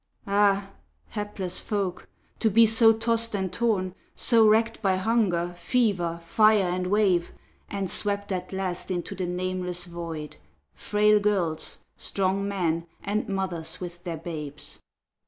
Ah, hapless folk, to be so tost and torn, So racked by hunger, fever, fire, and wave, And swept at last into the nameless void Frail girls, strong men, and mothers with their babes!